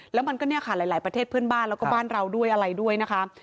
แล้วมันก็เนี่ยค่ะหลายประเทศเพื่อนบ้านแล้วก็บ้านเราด้วยอะไรด้วยนะคะ